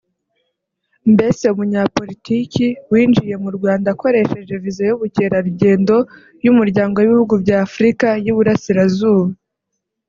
Mbese umunyapolitiki winjiye mu Rwanda akoresheje visa y’ubukerarugendo y’umuryango w’ibihugu by’ Afrika y’iburasirazuba